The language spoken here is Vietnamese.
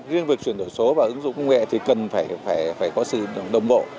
riêng việc chuyển đổi số và ứng dụng công nghệ thì cần phải có sự đồng bộ